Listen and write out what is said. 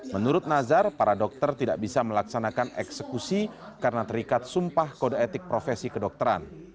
menurut nazar para dokter tidak bisa melaksanakan eksekusi karena terikat sumpah kode etik profesi kedokteran